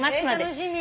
楽しみ。